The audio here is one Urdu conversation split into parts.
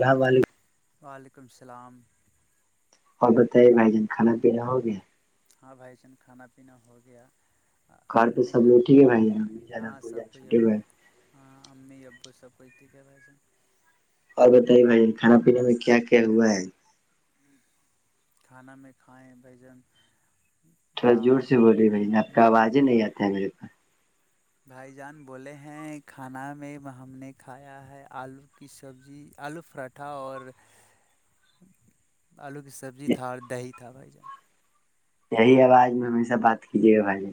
اللام علیکم وعلیکم السلام اور بتائیے بھائی جان کانا پینا ہو گیا ہاں بھائی چان کھانا پینا ہو گیا گھر پہ آپ س نے لوگٹھیک کہا ہاں ہےھائیا سب کوئی چھٹے اب ہو ہاں اممی ابو س کچھ ٹھیک ہے رہاھ اور بتائیے بھائی کھانا پینے میں کیا کیا ہوا ہے کھانا میں کھائائے بجن تھوڑا زور سے بول رہی بھائی آپ آواز ہی نہیں آتا ہے میرے پاس بھائی جان بولے ہیں کھانا میں ہم نے کھایا ہے آلو کی سبزی آلو پراٹھا اور آلو کی سبزی تھا اور دہی تھا بھائی جان یہی آواز میں ہمیشہ بات کیجیے گا بھائی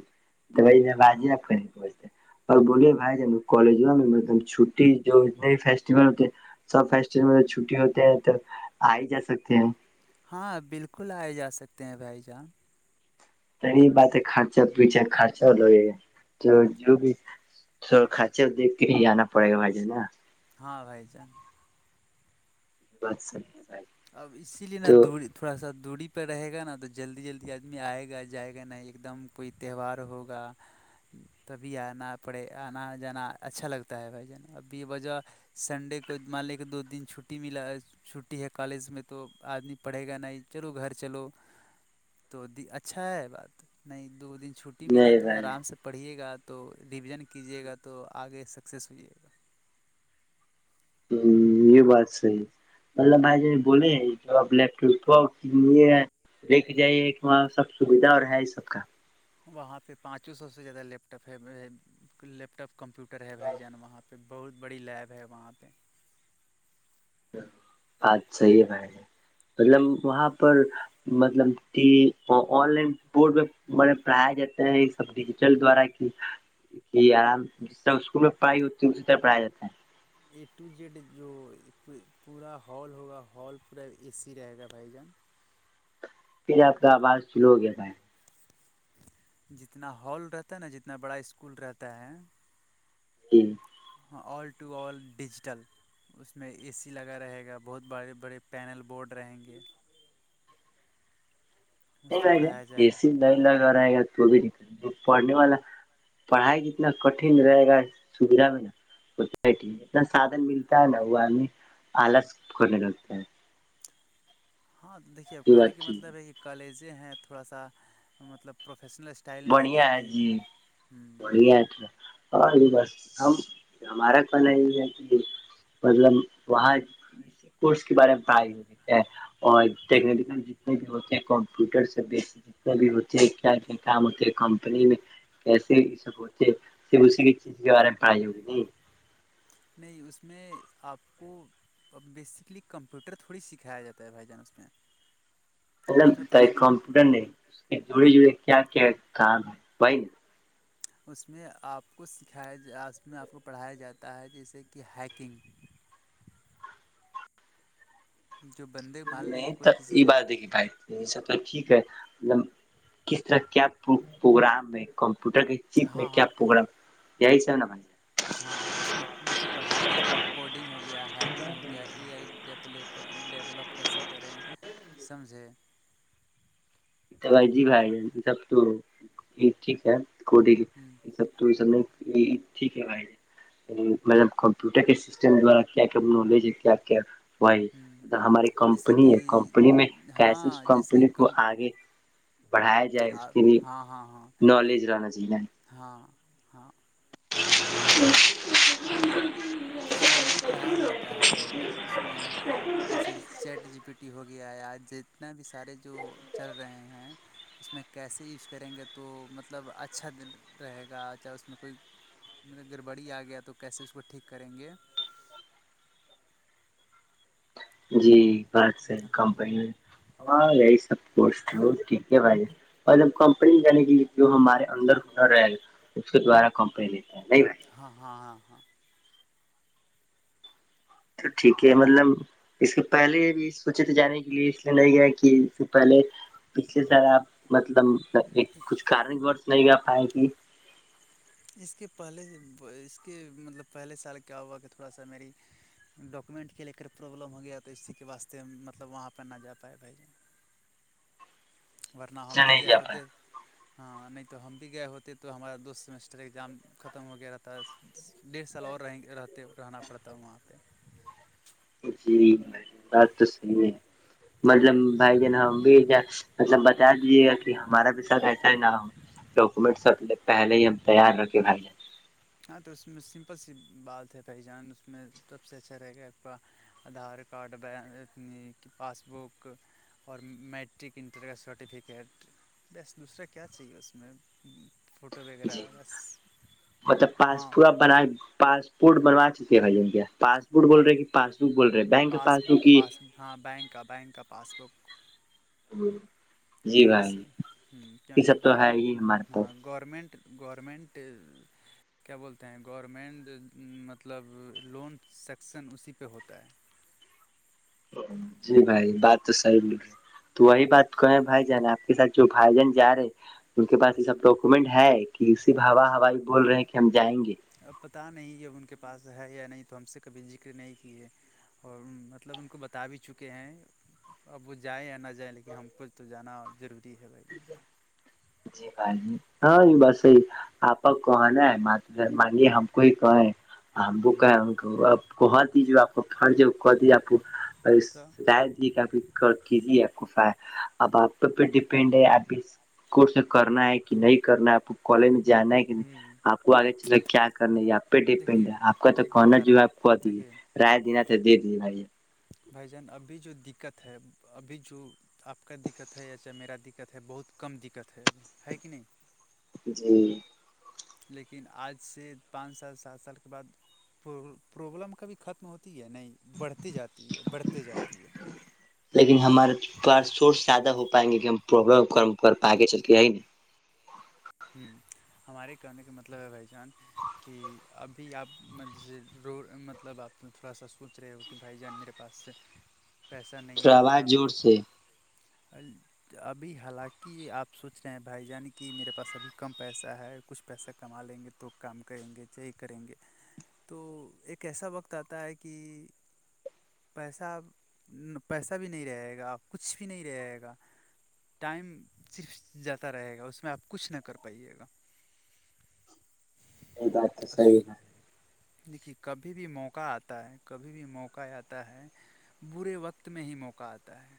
تو آاز ہی آپ کر بہچتے اور بولیے بھائی جب کالج میںب چھٹی جو اتنے فیسٹیول ہوتے سب فیسٹیول میں چھٹی ہوتے ہیں تو آ ہی جا سکتے ہیں ہاں بالکل آئے جا سکتے ہیں بھائی جان تری بات ہے خرچا پیھا خرچا ل تو جو بھی کاچے دھ کے ہی جانا پڑے گا بھائی ج نا ہاں بھائی جان بسچ اب اسی لیے نہ دوڑی تھوڑا سا دوری پہ رہے گا نا تو جلدی جلدی آدمی آئے گا جائے گا نہیں ایک دم کوئی تہوار ہوگا تبھی آنا پڑے آنا جانا اچھا لگتا ہے بھائی جان اب بھی وجہ سنڈے کو مان لے کے دو دن چھٹی ملا ہے چھٹی ہے کالج میں تو آدمی پڑھے گا نہیں چلو گھر چلو تو اچھا ہے بات نہیں دو دن چھٹی ملا نہیں تو بھائی آرام سے پڑھیے گا تو ریویژن کیجیے گا تو آگے سکسیز ہوئیے گا یہ بات صحی مطلب بھائی بولے آپ لیپٹاپ تو لی لیک کے جائیے کہ وہاں سب سویدھا اور ہے یہ سب کا وہاں پہ پانچوں سو سے زیادہ لیپٹاپ ہے لیپ ٹاپ کمپیوٹر ہے بھائی جان وہاں پہ بہت بڑی لیب ہے وہاں پہ بات صحی ہے ہے مطلب وہاں پر مطلب کہ آن لائن بورڈ پہ بڑے پڑھایا جاتے ہیں یہ سب ڈیجیٹل دوارا کہ آرام جس طرح اسکول میں پڑھائی ہوتی ہے اسی طرح پڑھایا جاتا ہے اے ٹو جیڈ جو پورا ہال ہوگا ہال پورا اے سی رہے گا بھائی جان آپ کا آواز سلو ہو گیا تھا ہے جتنا ہال رہتا ہے نا جتنا بڑا اسکول رہتا ہے ج ہاں آل ٹو آل ڈیجیٹل اس میں اے سی لگا رہے گا بہت بڑے بڑے پینل بورڈ رہیں گے اس نہیں پہ رہ گا پڑھایا اے جائے سی نہیں لگا رہے گا تو بھی د پڑھنے والا پڑھائی جتنا کٹن رہے گا سویدھا میں نا اتنا سادھن ملتا ہے نا وہ ہمیں آلاس کرنے لگتا ہے ہاں دیکھیے اب یہ کہنے بات کا ٹھیک مطلب ہے یہ کالج ہیں تھوڑا سا مطلب پروفیشنلٹ بڑیا ہے جی بڑیا ہے تھا ہاں یہ بس ہم ہمارا کہنا یہ ہے کہ مطلب وہاں کورس کے بارے میں پھائی ہو اور ٹیکنیکل جتنے بھی ہوتے ہیں کمپیوٹر سے بیسک کبھی ہوتی ہے کیا کیا کام ہوتے کمپنی میں کیسے یہ سب ہوتے س اسی کی چیز کے بارے میں پڑھائی ہوگی نہیں نہیں اس میں آپ کو ا بیسکلی کمپیوٹر تھوڑی سکھایا جاتا ہے بھائی جان اس میں اس میں پڑھایا مطلب کمپیوٹر نہیں اس کے جوڑے جڑے کیا کیا کام ہے بھائی اس میں آپ کو سکھایا جا اس میں آپ کو پڑھایا جاتا ہے جیسے کہ ہیکنگ جو بندے مان لے کہ نہیں تو کوئی کسی یہ بات دیکھی بھائی یہ سب تو ٹھیک ہے مطلب کس طرح کیا پروگرام ہے کمپیوٹر کے جیت میں ہاں کیا ہاں پوگرا یہی سا نا بھائی ہاں اس میں مطلب پڑھائے گا اس میں کوڈنگ ہو گیا ہیکنگ ہو گیا اے آئی ڈیپلپ ڈیولپ کیسے کریں سمجھیں بھائی جی بھائی سب تو یہ ٹھیک ہے کو د ہوں یہ سب تو یہ سب ٹھیک ہے مطلب کمپوٹر کے سسٹمٹارا کیا کیا نالج ہے کیا کیا وہی ہوں ا ہماری جیسے کمپنی کہ ہے کمپنی میں کیسے اس ہاں جیسے کمپنی کو کم آگے بڑھایا جائے اس ہاں کے لیے ہاں ہاں ہاں نالج رہنا چاہیے ہاں ہاں ہ اس میں بھی پڑھایا جاتا ہے بھائی جان اس میں کہ جیسے چیٹ جی پی ٹی ہو گیا یاج جتنا بھی سارے جو چل رہے ہیں اس میں کیسے یوج کریں گے تو مطلب اچھا رہے گا چاہے اس میں کوئی مطلب گڑبڑی آ گیا تو کیسے اس کو ٹھیک کریں گے جی کمپنی اور یہی سب ٹھیک ہے بھائی اور جب کمپنی جانے کے لیے جو ہمارے اندر ہونر رہے گا اس کے دوارا کمپنی لیتا نہیں بھائی ہاں ہاں ہاں ہاں تو ٹھیک ہے مطلب اس کے پہلے بھی سوچے تھ جانے کے لیے اس لیے نہیں گیا کہ اس سے پہلے پچھلے سال آپ مطلب کچھ کارنک وورس نہیں گ پائے گی اس کے پہلے اس کے مطلب پہلے سال کیا ہوا کہ تھوڑا سا میری ڈاکومنٹ کے لے کر پروابلم ہو گیا تو اسی کے واسے مطلب وہاں پہ نہ جا پائے بھائی جان ورنہ اس ہم لیے بھی نہیں گئے جا پائے ہوتے ہاں نہیں تو ہم بھی گئے ہوتے تو ہمارا دوست سمیسٹر ایگزام ختم ہو گیا رہا تھا ڈیڑھ سال اور رہیں رہتے رہنا پڑتا وہاں پہ جیری بات تو صحیح ہے مطلب بھائی جن ہم بھی مطلب بتا دیجیے گا کہ ہمارا بھی سر ایسا ہے نہ ہو ڈاکومنٹ سب پہلے ہی ہم تیار رکھے بھ ہیں ہاں تو اس میں سمپل سی بال تھ ہے بھائی جان اس میں سب سے اچھا رہے گا آپ کا آدھار کارڈنی پاس بک اور میٹرک انٹر کا سرٹیفکیٹ بس دوسرا کیا چاہیے اس میں فوٹو وغیرہ جی بس مطلب پاس ہاں بنا پاسپورٹ بنوا چک ہے بھائی کیا پا بوٹ بول رہے کہ پاس بک بول رہے بینک کے پاس پس بک کی پاس ہاں بینک کا بینک کا پاس بک جی کیونکہ ہ بھائی یہ کیونکہ سب تو ہے گورمنٹ ہی ہمارے ہ پاس گورورمنٹ گورمنٹ کیا بولتے ہیں گورنمنٹ مطلب لون سیکشن اسی پہ ہوتا ہے جی بھائی بات تو صحیح لک ہے تو وہی بات کو ہیں بھائی جان آپ کے سات جو بھائی جان جا رہے ہیں ان کے پاس یہ سب ڈاکومینٹ ہے کہ صرف ہوا ہوائی بول رہے کہ ہم جائیں گے اب پت نہیں اب ان کے پاس ہے یا نہیں تو ہم سے کبھی ذکر نہیں کیے اور مطلب ان کو بتا بھی چکے ہیں اب وہ جائیں یا نہ جائیں لیکن ہم کو تو جانا ضروری ہے بھ ج جی بھائی جی ہاں یہ بسی آپ کا کہنا ہے م مانیے ہم کو ہی کہیں وہ کہ جان کہ دی جو آپ کو فرض ہے وہ کہ دی آپ تو شاید اب آ ڈپڈ ہے کٹ میں کرنا ہے کہ نہیں کرنا ہے آپ کو کالج میں جانا ہے کہ نہیں ہوں آپ کو آگے چل کیا کرنا یہ آپ پہ ڈیپینڈ دیکھیے ہے آپ کا تو ایک بات کھانا بتا رہے جو ہے ہیں آپ کو دیے دیکھیے رائے دینا تھاے دے دیجے بھائی بھائی جان ابھی جو دقت ہے ابھی جو آپ کا دقت ہے یا چاہے میرا دقت ہے بہت کم دقت ہے ابھی ہے کہ نہیں جی لیکن آج سے پانچ سال سات سال کے بعد پرابلم کبھی ختم ہوتی ہے نہیں بڑھتی جاتی ہے بڑھتی جاتی ہے لیکن ہمارے پاس سورس زیادہ ہو پائیں گے کہ ہم پربلم کم پ چلتی ہے ن ہ ہمارے کہنے کا مطلب ہے بھائی جان کہ ابھی آپ ر مطلب آپ تھوڑا سا سوچ رہے ہو کہ بھائی جان میرا کے پاس پیسہ نہیں تھوڑا ہے آواز چ زور سے ابھی حالانکہ آپ سوچ رہے ہیں بھائی جان کی میرے پاس ابھی کم پیسہ ہے کچھ پیسہ کما لیں گے تو کام کریں گے یہی کریں گے تو ایک ایسا وقت آتا ہے کہ پیسہ پیسہ بھی نہیں رہے گا کچھ بھی نہیں رہے گا ٹائم صرف جاتا رہے گا اس میں آپ کچھ نہ کر پائیے گا یہ بات تو صحیح ہےا دیکھیے کبھی بھی موقع آتا ہے کبھی بھی موقع آتا ہے برے وقت میں ہی موقع آتا ہے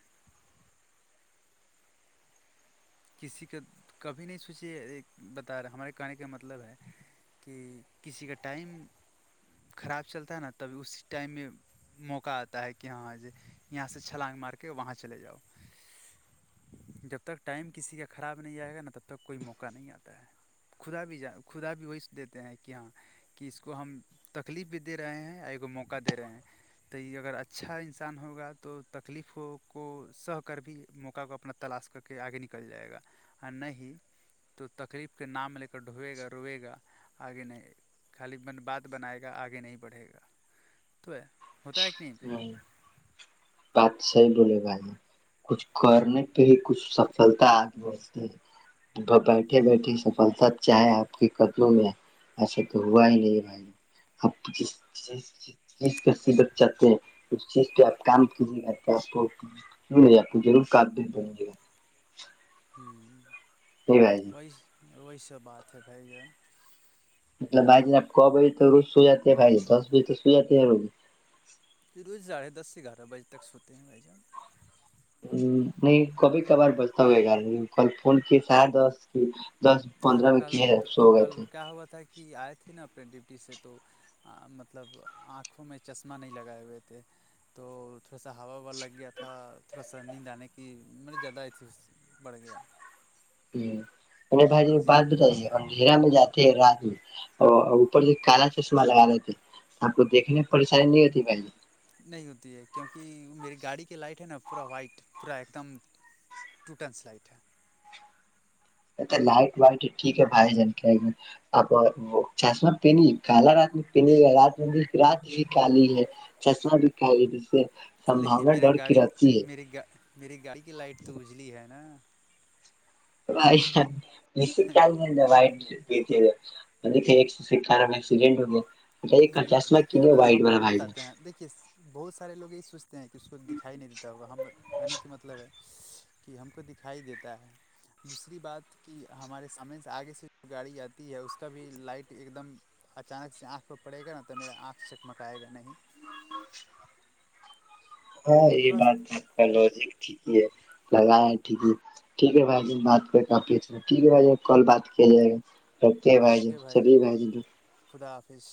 کسی کا کبھی نہیں سوچے بتا رہا ہمارے کہنے کا مطلب ہے کہ کسی کا ٹائم خراب چلتا ہے نا تبھی اس ٹائم میں موقع آتا ہے کہ ہاں جی یہاں سے چھلانگ مار کے وہاں چلے جاؤ جب تک ٹائم کسی کا خراب نہیں آئے گا نا تب تک کوئی موقع نہیں آتا ہے خدا بھی ج خدا بھی وہی دیتے ہیں کہ ہاں کہ اس کو ہم تکلیف بھی دے رہے ہیں موقع دے رہے ہیں تو یہ اگر اچھا انسان ہوگا تو تکلیفوں کو سہ کر بھی موقع کو اپنا تلاش کر کے آگے نکل جائے گا ہ نہ ہی تو تکلیف کے نام لے کر ڈھوئے گا روئے گا آگے نہیں خالین بات بنائے گا آگے نہیں بڑھے گا تو ہے ہوتا ہے کہ نہیں بات صحیح بولے بھائی کچھ کرنے پہ ہی کچھ سفلتا آگ بتی ہے بیٹھے بیٹھے سفلتا چاہے آپ کے کتنوں میں ایسا تو ہوا ہی نہیں بھائی اب جس چیز کی ح بت چاہتے ہیں اس چیز پہ آپ کام کیجے کرتے آپ کویے آپ کو ضرور کا د بنیے گا ہوں جی بائیی وہی وہی س بات ہے بائی جان مطلب بھجی آپ کو بجے تو روز سوئیاتی ہے بھجی دس بجے تو سوئی جی ہے روز پ روز ساڑھے دس سے گیارہ بجے تک سوتے ہیں ہمھائی جان نہیں کبھی کبار بچتا ہوئے گا کل فون کی س کی دس یہاں پندرہ میںک کل ہے سو گئے تھے کل کیا ہوا تھاے کہ آئے تھے نا اپنے ڈیوٹی سے تو مطلب آنکھوں میں چشمہ نہیں لگائے ہوئے تھے تو تھوڑا سا ہوا ووا لگ گیا تھا تھوڑا سا نیند آنے کی مے زیادہ آئی تھی اس بڑ گیا ہ میںیں بھائی ج اسی لیے بات بتائیے دھیرا میں جاتے رات میں اور اوپر سے کالا چشمہ لگا رہے تھے آپ کو دیکھنے میں پریشانی نہیں ہوتی بھائی نہیں ہوتی ہے کیونکہ میری گاڑی کی لائٹ ہے نا پورا وائٹ پورا ایک دم ٹوٹس لائٹ ہے ا تو لائٹ وائٹ ٹھیک ہےھائی جن کیا اب وہ چاشمہ پین کالا رات میں پنی گ رات میں بھی رات بھی کالی ہے چسا دک سے لیکن سمباونا میرا ڈر کی گاڑی رہتی ہے م میری گاڑی کی لائٹ تو اجلی ہے نا و مسال وٹ پ مے سو سار میں ایسڈنٹ ہو گئے یہ پچاس لاک کی نہیں وائٹ والا پ جا کہ بہت سارے لوگ یہی سوچتے ہیں کہ اس کو دکھائی نہیں دیتا ہوگا ہم کہنے کی مطلب ہے کہ ہم کو دکھائی دیتا ہے دوسری بات کہ ہمارے سامنے سے آگے سے جو گاڑی آتی ہے اس کا بھی لائٹ ایک دم اچانک سے آنکھ پ پڑے گا نا تو میرا آنکھ چکمکائے گا نہیں ہاں یہ تھوڑا بات تو پہل ج ٹھیک ہے لگا ہے ٹھیک ہے ٹھیک ہے بھائی ج بات کر کافی اچھا ٹھیک ہے بھائی کال بات کیا جائے گا اوکے بھائی جان خدا حافظ